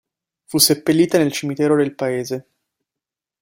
Fu seppellita nel cimitero del paese.